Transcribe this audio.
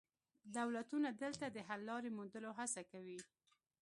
دولتونه دلته د حل لارې موندلو هڅه کوي